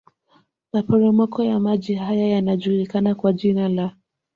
Maporomoko ya maji haya yanajulikana kwa jina la